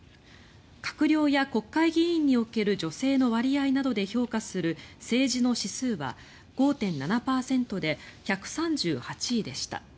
閣僚や国会議員における女性の割合などで評価する政治の指数は５．７％で１３８位でした。